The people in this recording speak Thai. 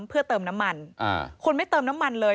เพื่อเติมน้ำมันคนไม่เติมน้ำมันเลย